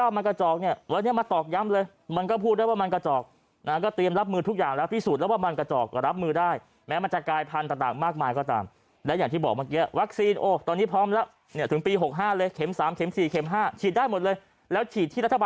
ไม่ต้องไปจองเอกชนเลยเนี่ยครับ